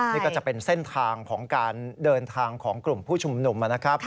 นี่ก็จะเป็นเส้นทางของการเดินทางของกลุ่มผู้ชุมนุมนะครับ